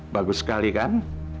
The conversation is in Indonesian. bagus sekali kan